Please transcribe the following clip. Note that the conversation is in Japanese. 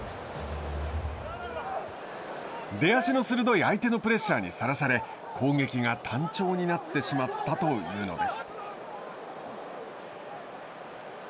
出足の鋭い相手のプレッシャーにさらされ攻撃に単調になってしまったというのです。